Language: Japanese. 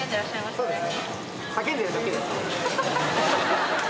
そうですね